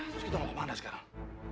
terus kita mau kemana sekarang